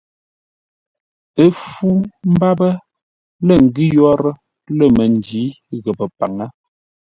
Ə́ fú mbápə́ lə̂ ngʉ́ yórə́ lə̂ məndǐ ghəpə́-paŋə́.